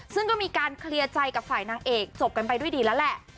ซึ่งก็มีการเคลียร์ใจกับฝ่ายนางเอกจบกันไปด้วยดีแล้วแหละ